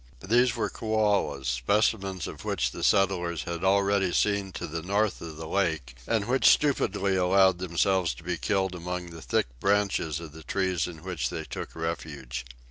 These were koalas, specimens of which the settlers had already seen to the north of the lake, and which stupidly allowed themselves to be killed among the thick branches of the trees in which they took refuge.